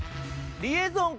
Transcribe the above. リエゾン